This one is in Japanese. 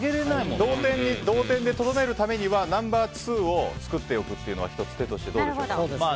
同点でとどめるためにはナンバー２を作っておくのは１つ、手としてどうでしょう。